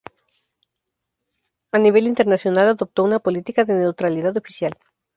A nivel internacional, adoptó una política de neutralidad oficial.